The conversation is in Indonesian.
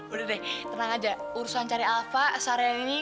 udah deh tenang aja urusan cari alva sarian ini